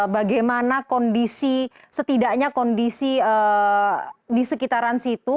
bagaimana kondisi setidaknya kondisi di sekitaran situ